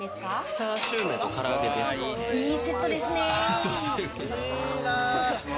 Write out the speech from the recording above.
チャーシューメンとから揚げです。